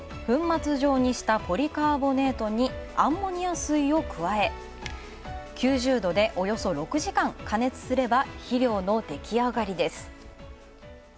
粉末状にしたポリカーボネートにアンモニア水を加え９０度でおよそ６時間加熱すれば肥料の出来上がりです。